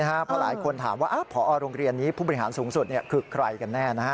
เพราะหลายคนถามว่าพอโรงเรียนนี้ผู้บริหารสูงสุดคือใครกันแน่